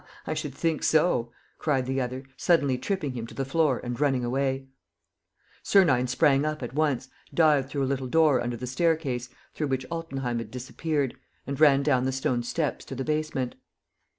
"I should think so!" cried the other, suddenly tripping him to the floor and running away. Sernine sprang up at once, dived through a little door under the staircase, through which Altenheim had disappeared, and ran down the stone steps to the basement.